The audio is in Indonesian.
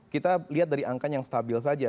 kita lihat dari angka yang stabil saja